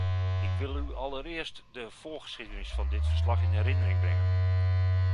Ik wil u allereerst de voorgeschiedenis van dit verslag in herinnering brengen.